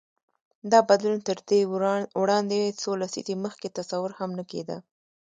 دا بدلون تر دې وړاندې څو لسیزې مخکې تصور هم نه کېده.